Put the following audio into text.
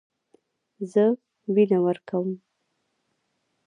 زه وینه ورکوم.